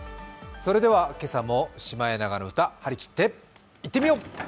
それでは今朝も「シマエナガの歌」、張り切っていってみよう！